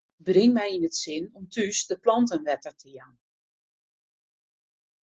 Bring my yn it sin om thús de planten wetter te jaan.